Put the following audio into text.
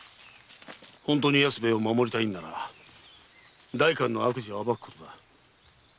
本当に安兵衛を守りたいなら代官の悪事を暴くんだ。